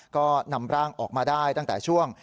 ก็นำร่างออกมาได้ตั้งแต่ช่วง